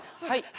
はい。